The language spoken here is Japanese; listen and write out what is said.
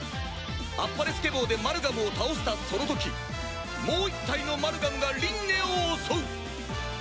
アッパレスケボーでマルガムを倒したその時もう一体のマルガムがりんねを襲う！